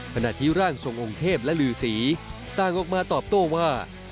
ขณะที่ร่างทรงองค์เทพและลือศรีต่างออกมาตอบโต้ว่า